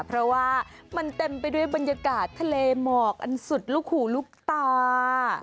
เพราะว่ามันเต็มไปด้วยบรรยากาศทะเลหมอกอันสุดลูกหูลูกตา